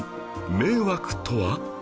迷惑とは？